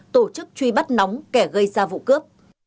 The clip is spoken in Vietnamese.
tổ chức truy bắt nóng kẻ gây ra vụ cướp